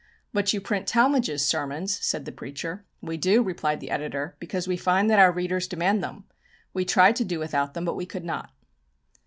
"But you print Talmage's sermons!" said the preacher. "We do," replied the editor, "because we find that our readers demand them. We tried to do without them, but we could not."